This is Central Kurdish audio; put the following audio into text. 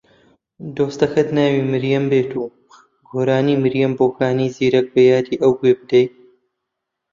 دۆستەکەت ناوی مریەم بێت و گۆرانی مریەم بۆکانی زیرەک بە یادی ئەو گوێ بدەی